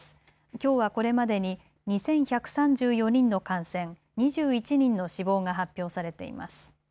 きょうはこれまでに２１３４人の感染、２１人の死亡が発表されています。